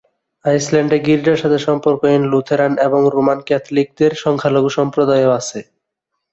আইসল্যান্ডে গির্জার সাথে সম্পর্কহীন লুথেরান এবং রোমান ক্যাথলিকদের সংখ্যালঘু সম্প্রদায়ও আছে।